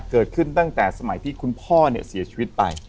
เกิดขึ้นตั้งแต่สมัยที่คุณพ่อเสียชีวิตไป